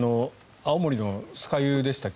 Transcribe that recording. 青森の酸ケ湯でしたっけ